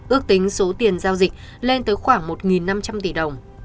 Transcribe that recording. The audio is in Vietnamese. ước tính số tiền giao dịch lên tới khoảng một năm trăm linh tỷ đồng